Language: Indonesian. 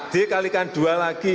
dikalikan dua lagi dong